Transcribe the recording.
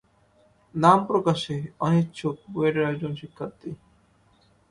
নাম প্রকাশে অনিচ্ছুকবুয়েটের একজন শিক্ষার্থী।